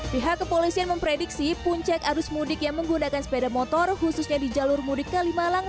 pihak kepolisian memprediksi puncak arus mudik yang menggunakan sepeda motor khususnya di jalur mudik kalimalang